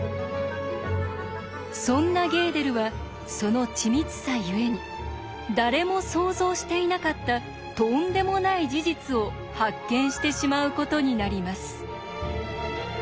そんなゲーデルはその緻密さゆえに誰も想像していなかったとんでもない事実を発見してしまうことになります。